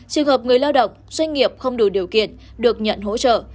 trường hợp người lao động doanh nghiệp không đủ điều kiện được nhận hỗ trợ